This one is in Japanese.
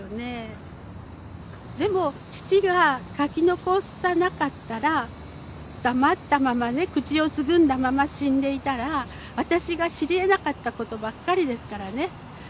でも父が書き残さなかったら黙ったままね口をつぐんだまま死んでいたら私が知りえなかったことばっかりですからね。